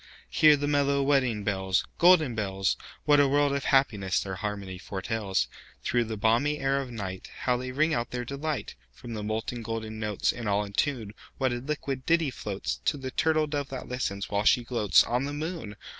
Hear the mellow wedding bells, Golden bells! What a world of happiness their harmony foretells! Through the balmy air of nightHow they ring out their delight! From the molten golden notes, And all in tune, What a liquid ditty floatsTo the turtle dove that listens, while she gloatsOn the moon!